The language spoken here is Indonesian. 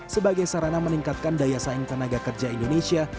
sebagai sarana meningkatkan daya saing tenaga kerja indonesia